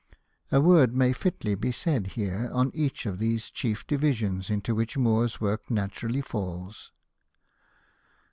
A word may fitly be said here on each of these chief divisions into which Moore's work naturally falls.